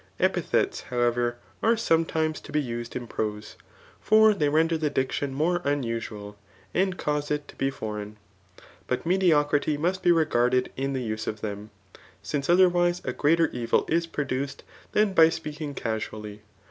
Epithets, however, are tometimes to be used in prose ; for they render the die* tion more unusual, and cause it to be foreign. But me diocrity must be regarded in the use of them, since otherwise a greater evil is produced than by speaking >ca8ually.